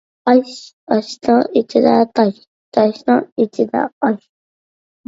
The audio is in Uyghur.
ئاش ئاشنىڭ ئىچىدە تاش تاشنىڭ ئىچىدە ئاش